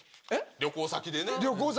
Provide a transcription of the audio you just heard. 旅行先で。